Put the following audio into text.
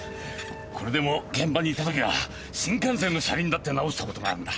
これでも現場にいたときは新幹線の車輪だって直したことがあるんだ。